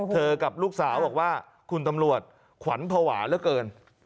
กับลูกสาวบอกว่าคุณตำรวจขวัญภาวะเหลือเกิน